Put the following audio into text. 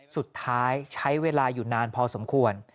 สุดท้ายใช้เวลาอยู่นานพอสมควร